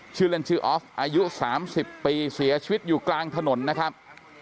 ชื่อเล่นชื่อออฟอายุ๓๐ปีเสียชีวิตอยู่กลางถนนนะครับ